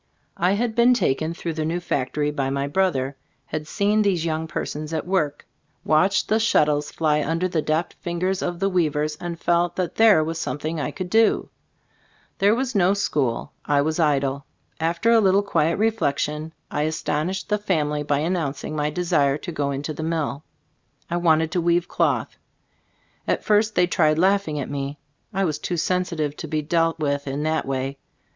I had been taken through the new factory by my brother ; had seen these young persons at work; watched the shuttles fly under the deft fingers of the weavers, and felt that there was something I could do. There was no ioa Gbe Storg of A? Gbf Iftbort school, I was idle. After a little quiet reflection I astonished the fam ily by announcing my desire to go into the mill. I wanted to weave cloth. At first they tried laughing at me. I was too sensitive to be dealt with in that way.